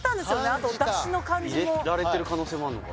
あと出汁の感じも入れられてる可能性もあるのか